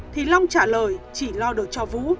thì long trả lời chỉ lo được cho vũ